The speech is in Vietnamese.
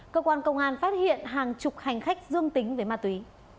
cơ quan công an phát hiện hàng chục hành khách dương tính với ma túy